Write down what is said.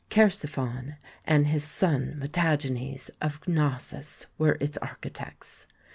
Chersiphon and his son Metagenes of Cnossus were its architects.